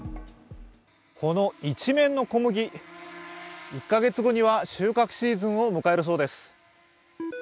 この一面の小麦、１カ月後には収穫シーズンを迎えるそうです。